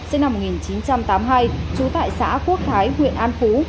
sinh năm một nghìn chín trăm tám mươi hai trú tại xã quốc thái huyện an phú